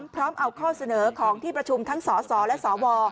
พร้อมเอาข้อเสนอของที่ประชุมทั้งสสและสว